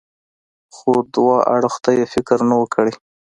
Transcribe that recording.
خو دو اړخ ته يې فکر نه و کړى.